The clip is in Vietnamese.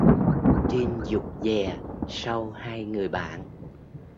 Trinh dụt dè sau hai người bạn